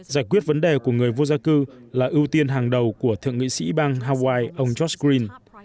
giải quyết vấn đề của người vô gia cư là ưu tiên hàng đầu của thượng nghị sĩ bang hawaii ông joshren